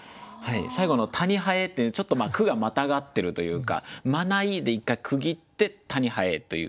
最後の「たに蠅」ってちょっと句がまたがってるというか「まない」で１回区切って「たに蠅」という。